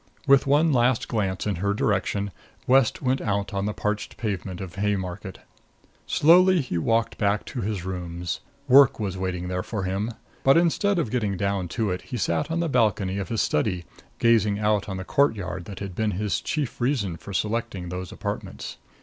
With one last glance in her direction, West went out on the parched pavement of Haymarket. Slowly he walked back to his rooms. Work was waiting there for him; but instead of getting down to it, he sat on the balcony of his study, gazing out on the courtyard that had been his chief reason for selecting those apartments.